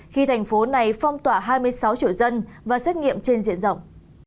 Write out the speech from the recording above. khi thành phố này phong tỏa hai mươi sáu triệu dân và xét nghiệm trên diện rộng